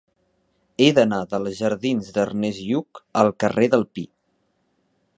He d'anar dels jardins d'Ernest Lluch al carrer del Pi.